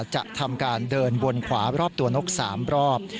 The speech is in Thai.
จะทำการเดินวนขวารอบตัวนก๓รอบ